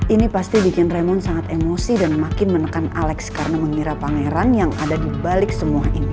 ini pasti bikin raimon sangat emosi dan makin menekan alex karena mengira pangeran yang ada di balik semua ini